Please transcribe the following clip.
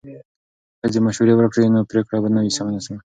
که ښځې مشورې ورکړي نو پریکړه به نه وي ناسمه.